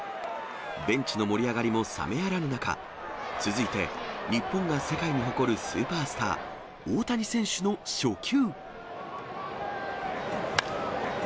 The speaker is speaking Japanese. ベンチの盛り上がりも冷めやらぬ中、続いて日本が世界に誇るスーパースター、大谷選手の初球。